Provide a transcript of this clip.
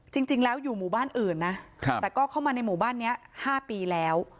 จริงแล้วอยู่หมู่บ้านอื่นนะแต่ก็เข้ามาในหมู่บ้านนี้๕ปีแล้ว